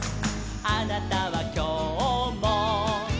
「あなたはきょうも」